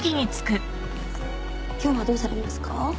今日はどうされますか？